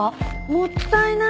もったいない！